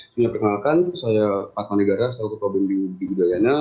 saya pak manegara seorang kutub bimbi dalyana